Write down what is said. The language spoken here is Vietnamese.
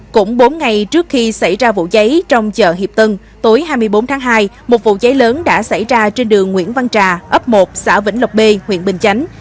cũng bốn ngày trước khi xảy ra vụ cháy trong chợ hiệp tân tối hai mươi bốn tháng hai một vụ cháy lớn đã xảy ra trên đường nguyễn văn trà ấp một xã vĩnh lộc b huyện bình chánh